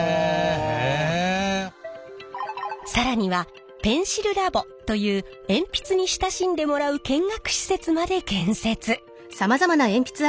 更にはペンシルラボという鉛筆に親しんでもらう見学施設まで建設。